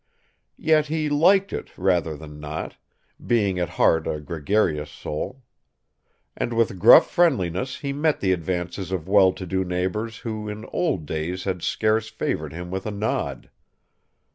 Yet he liked it rather than not; being at heart a gregarious soul. And with gruff friendliness he met the advances of well to do neighbors who in old days had scarce favored him with a nod.